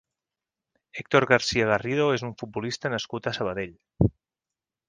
Héctor García Garrido és un futbolista nascut a Sabadell.